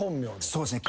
そうですね。